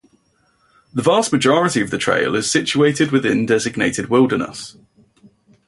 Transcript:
The vast majority of the trail is situated within designated wilderness.